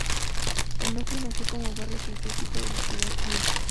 El núcleo nació como barrio eclesiástico de la ciudad vieja.